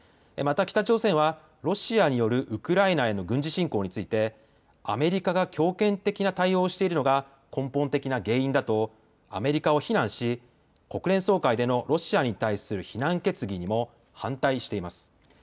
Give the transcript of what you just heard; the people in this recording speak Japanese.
また北朝鮮はロシアによるウクライナへの軍事侵攻についてアメリカが強権的な対応をしているのが根本的な原因だとアメリカを非難し、国連総会でのロシアに対する非難決議にも反対しています。